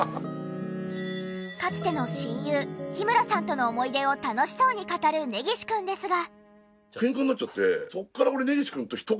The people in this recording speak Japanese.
かつての親友日村さんとの思い出を楽しそうに語る根岸くんですが。